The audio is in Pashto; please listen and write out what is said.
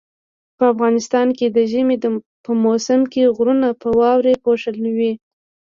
په افغانستان کې د ژمي په موسم کې غرونه په واوري پوښلي وي